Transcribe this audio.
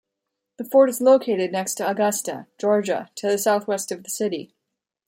The fort is located next to Augusta, Georgia to the southwest of the city.